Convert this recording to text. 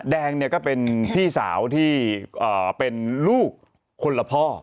แดงเนี่ยก็เป็นพี่สาวที่เป็นลูกคนละพ่อ